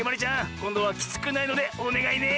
こんどはきつくないのでおねがいね！